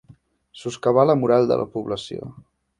Soscavar la moral de la població.